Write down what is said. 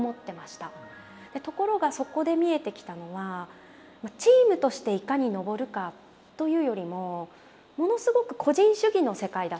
ところがそこで見えてきたのはチームとしていかに登るかというよりもものすごく個人主義の世界だったんですよ。